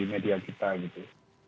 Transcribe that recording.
media kita gitu